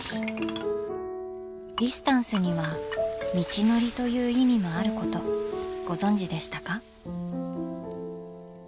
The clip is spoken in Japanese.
「ディスタンス」には「道のり」という意味もあることご存じでしたか？